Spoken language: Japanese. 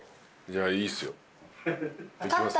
じゃあいいっすよ。